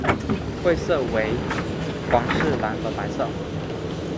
会色为皇室蓝和白色。